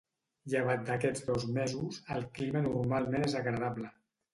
Llevat d'aquests dos mesos, el clima normalment és agradable.